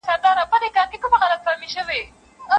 په څپو کي ستا غوټې مي وې لیدلي